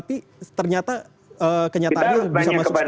tapi ternyata kenyataannya bisa masuk seperti itu